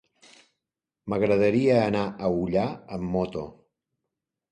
M'agradaria anar a Ullà amb moto.